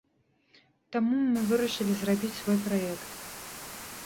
Таму мы вырашылі зрабіць свой праект.